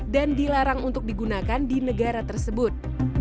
dan dilarang untuk digunakan di negara tersebut